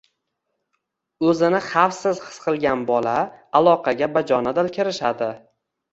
O‘zini xavfsiz his qilgan bola aloqaga bajonidil kirishadi.